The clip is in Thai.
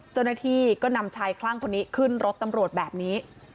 เจ้าหน้าที่ก็นำชายคลั่งคนนี้ขึ้นรถตำรวจแบบนี้